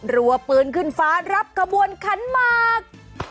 รัวปืนขึ้นฟ้ารับขบวนขันหมาก